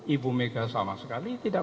ibu mega sama sekali tidak